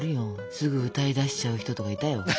すぐ歌い出しちゃう人とかいたよ。